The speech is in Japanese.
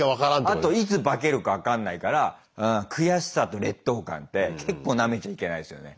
あといつ化けるか分かんないからうん悔しさと劣等感って結構なめちゃいけないですよね。